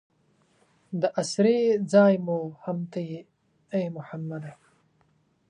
د اسرې ځای مو هم ته یې ای محمده.